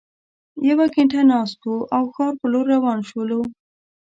یوه ګینټه ناست وو او ښار په لور روان شولو.